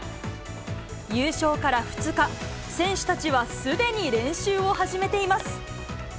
優勝から２日、選手たちはすでに練習を始めています。